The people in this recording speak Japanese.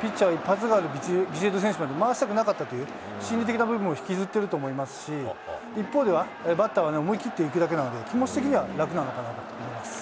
ピッチャー一発があるビシエド選手まで回したくなかったっていう心理的な部分も引きずってると思いますし、一方で、バッターは思い切っていくだけなので、気持ち的には楽なのかなと思います。